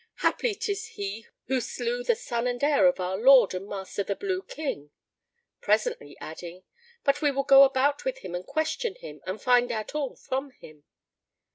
Haply 'tis he who slew the son and heir of our lord and master the Blue King;" presently adding, 'But we will go about with him and question him and find out all from him."